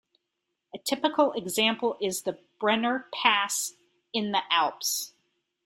A typical example is the Brenner pass in the Alps.